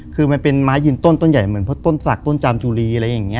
คือมันเป็นไม้ยินต้นต้นใหญ่เหมือนต้นสักต้นจามจุลีอะไรอย่างเงี้ย